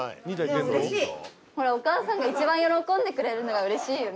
お母さんが一番喜んでくれるのがうれしいよね。